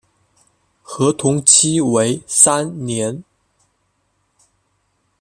合同期为三年。